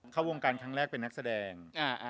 เข้าวงการครั้งแรกเป็นนักแสดง